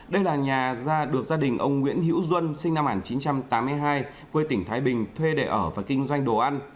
đây là nhà ra được gia đình ông nguyễn hữu duân sinh năm một nghìn chín trăm tám mươi hai quê tỉnh thái bình thuê để ở và kinh doanh đồ ăn